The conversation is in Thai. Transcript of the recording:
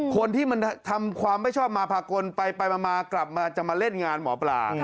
คนที่มันทำความไม่ชอบมาพากลไปมากลับมาจะมาเล่นงานหมอปลา